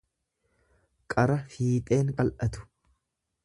qara fiixeen qal'atu.